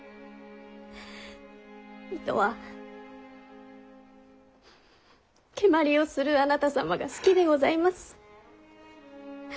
糸は蹴鞠をするあなた様が好きでございます。